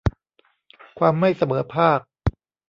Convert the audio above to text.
ความไม่เสมอภาค